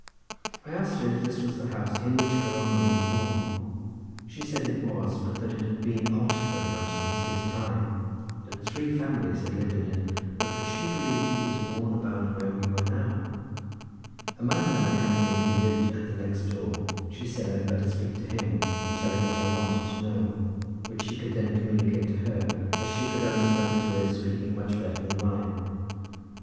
I asked her if this was the house in which Gronwy was born. She said it was, but that it had been altered very much since his time—that three families had lived in it, but that she believed he was born about where we were now. A man now coming in who lived at the next door, she said, I had better speak to him and tell him what I wanted to know, which he could then communicate to her, as she could understand his way of speaking much better than mine.